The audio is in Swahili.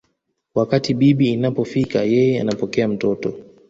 Wakati bibi inapofika yeye anapokea mtoto